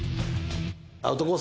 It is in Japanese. アウトコース